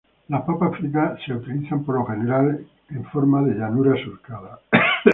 Las papas fritas son utilizadas por lo general con forma de llanura surcada.